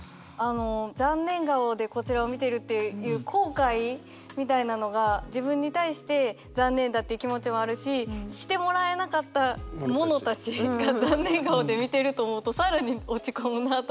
あの「残念顔でこちらを見ている」っていう後悔みたいなのが自分に対して残念だっていう気持ちもあるししてもらえなかったものたちが残念顔で見てると思うと更に落ち込むなあと思って。